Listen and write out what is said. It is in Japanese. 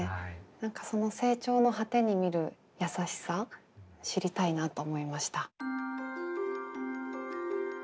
何かその成長の果てに見るやさしさ知りたいなと思いました。